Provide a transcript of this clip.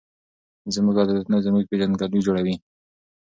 زموږ عادتونه زموږ پیژندګلوي جوړوي.